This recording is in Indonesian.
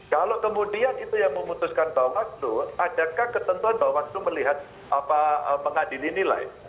kalau kemudian itu yang memutuskan bahwa itu adakah ketentuan bahwa itu melihat apa mengadili nilai